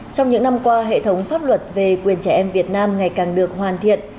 trong những năm qua hệ thống pháp luật về quyền trẻ em việt nam ngày càng được hoàn thiện